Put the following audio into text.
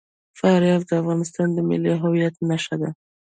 فاریاب د افغانستان د ملي هویت نښه ده.